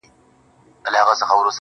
د طبیعت په تقاضاوو کي یې دل و ول کړم.